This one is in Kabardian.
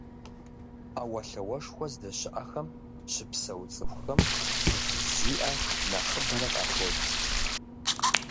Ӏэуэлъауэшхуэ здэщыӀэхэм щыпсэу цӏыхухэм гу уз зиӀэ нэхъыбэрэ къахокӏ.